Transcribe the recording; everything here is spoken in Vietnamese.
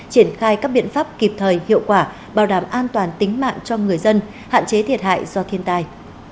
triển khai các biện pháp kịp thời hiệu quả bảo đảm an toàn tính mạng cho người dân hạn chế thiệt hại do thiên tai